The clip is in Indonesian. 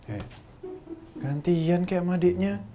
eh gantian kayak sama adiknya